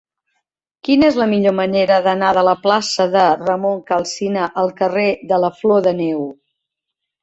Quina és la millor manera d'anar de la plaça de Ramon Calsina al carrer de la Flor de Neu?